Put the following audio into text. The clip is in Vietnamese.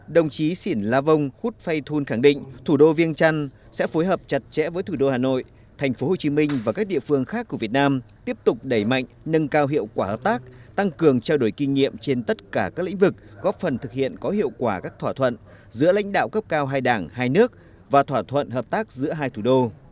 đồng chí xỉn la vong khúc phay thun khẳng định thủ đô viên trăn sẽ phối hợp chặt chẽ với thủ đô hà nội tp hcm và các địa phương khác của việt nam tiếp tục đẩy mạnh nâng cao hiệu quả hợp tác tăng cường trao đổi kinh nghiệm trên tất cả các lĩnh vực góp phần thực hiện có hiệu quả các thỏa thuận giữa lãnh đạo cấp cao hai đảng hai nước và thỏa thuận hợp tác giữa hai thủ đô